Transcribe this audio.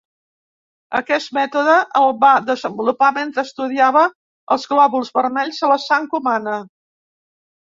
Aquest mètode el va desenvolupar mentre estudiava els glòbuls vermells de la sang humana.